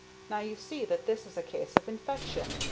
Now you see that this is a case of infection.